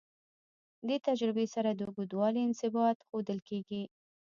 دې تجربې سره د اوږدوالي انبساط ښودل کیږي.